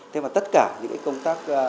thế mà tất cả những công tác